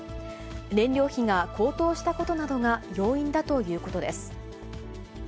燃料費が高騰したことなどが要因だということです。